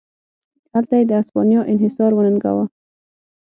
هلته یې د هسپانیا انحصار وننګاوه.